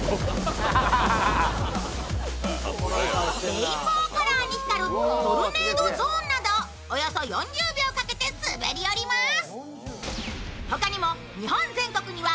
レインボーカラーに光るトルネードゾーンなどおよそ４０秒かけて滑り降ります。